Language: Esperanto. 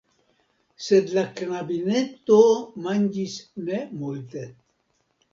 Sed la knabineto manĝis ne multe.